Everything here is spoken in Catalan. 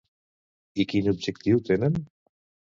I quin objectiu tenen?